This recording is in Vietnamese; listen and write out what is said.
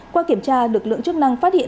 qua kiểm tra lực lượng chức năng phát hiện